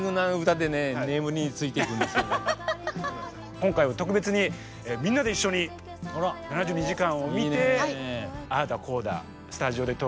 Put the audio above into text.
今回は特別にみんなで一緒に「７２時間」を見てああだこうだスタジオでトークしようじゃないかと。